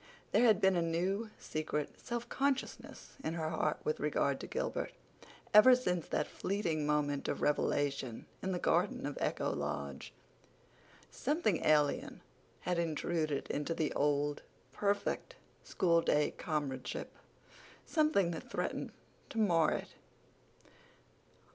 There had been a new, secret self consciousness in her heart with regard to Gilbert, ever since that fleeting moment of revelation in the garden of Echo Lodge. Something alien had intruded into the old, perfect, school day comradeship—something that threatened to mar it.